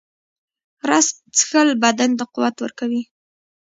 رس څښل بدن ته قوت ورکوي